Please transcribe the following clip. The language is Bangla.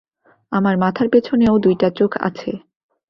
আমার মাথার পেছনেও দুইটা চোখ আছে!